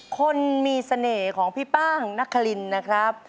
คนมีเสน่ห์ของพี่ป้างนครินนะครับ